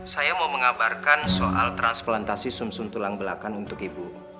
saya mau mengabarkan soal transplantasi sum sum tulang belakang untuk ibu